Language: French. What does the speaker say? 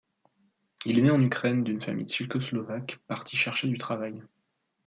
Il est né en Ukraine d'une famille tchécoslovaque partie chercher du travail.